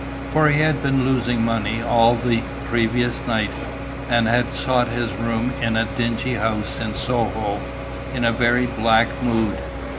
For he had been losing money all the previous night, and had sought his room in a dingy house in Soho, in a very black mood.